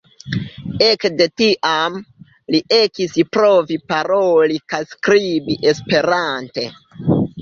Ekde tiam, Li ekis provi paroli kaj skribi esperante.